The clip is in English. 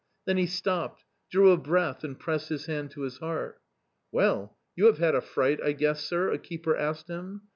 Then he stopped, drew a breath and pressed his hand to his heart. " Well, you have had a fright, I guess, sir ?" a keeper asked him.